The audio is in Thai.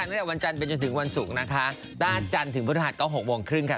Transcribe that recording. ตั้งแต่วันจันทร์ไปจนถึงวันศุกร์นะคะด้านจันทร์ถึงพฤหัสก็๖โมงครึ่งค่ะ